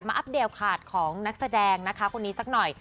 อัปเดตขาดของนักแสดงนะคะคนนี้สักหน่อย